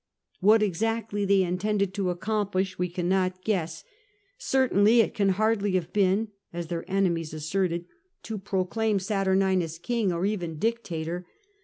What exactly they intended to accomplish we cannot guess ; certainly it can Iiardly have been (as their enemies asserted) to proclaim DEATH OF SATUENINUS 103 Baturninns king, or even dictator.